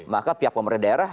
maka pihak pemerintah daerah